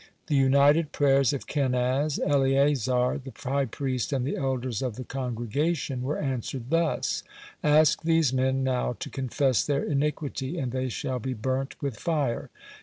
The united prayers of Kenaz, Eleazar the high priest, and the elders of the congregation, were answered thus: "Ask these men now to confess their iniquity, and they shall be burnt with fire."